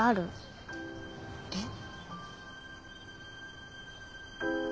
えっ？